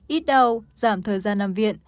ít đau giảm thời gian nằm viện